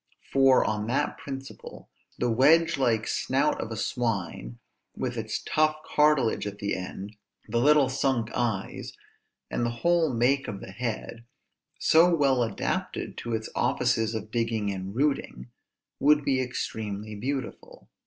For, on that principle, the wedge like snout of a swine, with its tough cartilage at the end, the little sunk eyes, and the whole make of the head, so well adapted to its offices of digging and rooting, would be extremely beautiful.